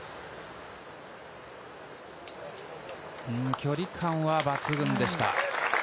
距離感は抜群でした。